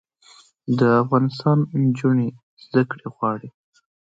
د افغانستان نجونې زده کړې غواړي